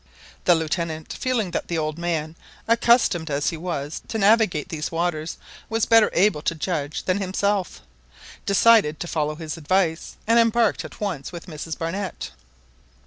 The Lieutenant, feeling that the old man, accustomed as he was to navigate these waters, was better able to judge than himself, decided to follow his advice, and embarked at once with Mrs Barnett.